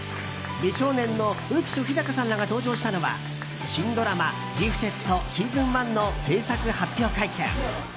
美少年の浮所飛貴さんらが登場したのは新ドラマ「ギフテッドＳｅａｓｏｎ１」の制作発表会見。